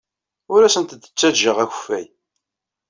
Ur asent-d-ttajjaɣ akeffay.